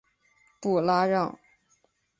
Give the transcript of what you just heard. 布拉让。